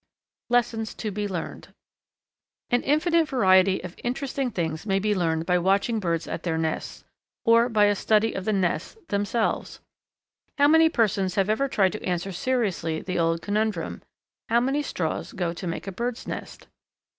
Lessons to Be Learned. An infinite variety of interesting things may be learned by watching birds at their nests, or by a study of the nests themselves. How many persons have ever tried to answer seriously the old conundrum: "How many straws go to make a bird's nest?"